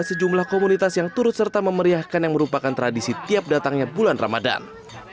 sejumlah komunitas yang turut serta memeriahkan yang merupakan tradisi tiap datangnya bulan ramadan